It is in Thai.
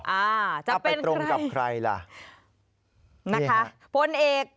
อาจะเป็นใครนะคะ